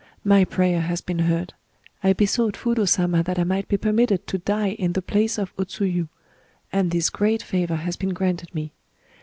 My prayer has been heard. I besought Fudō Sama that I might be permitted to die in the place of O Tsuyu; and this great favor has been granted me.